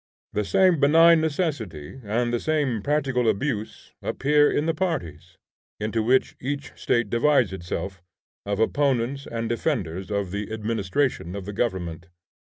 The same benign necessity and the same practical abuse appear in the parties, into which each State divides itself, of opponents and defenders of the administration of the government.